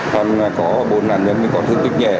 còn có bốn nạn nhân thì có thương tích nhẹ